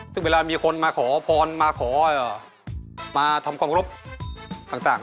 ซึ่งเวลามีคนมาขอพรมาขอมาทำความรบต่าง